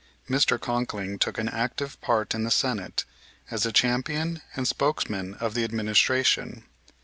Mr. Conkling took an active part in the Senate as a champion and spokesman of the administration.